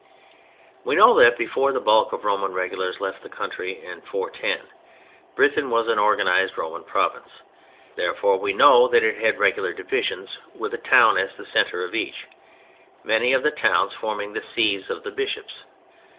We know that before the bulk of Roman regulars left the country in 410, Britain was an organized Roman province. Therefore, we know that it had regular divisions, with a town as the centre of each, many of the towns forming the Sees of the Bishops.